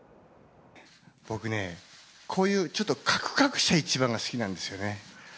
僕ね、こういう、ちょっとかくかくした１番が好きなんですよね。